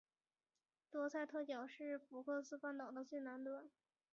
多塞特角是福克斯半岛的最南端。